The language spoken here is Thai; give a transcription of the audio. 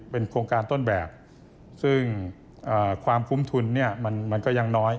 เป็นโครงการต้นแบบซึ่งความคุ้มทุนเนี่ยมันก็ยังน้อย